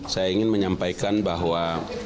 saya ingin menyampaikan bahwa